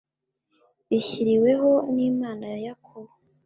ryishyiriweho n’Imana ya Yakobo